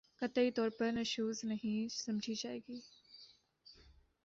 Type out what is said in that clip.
قطعی طور پر نشوزنہیں سمجھی جائے گی